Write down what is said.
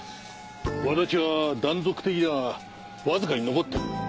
轍は断続的だがわずかに残ってる。